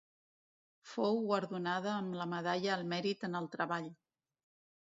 Fou guardonada amb la medalla al Mèrit en el Treball.